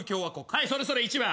はいそれそれ１番。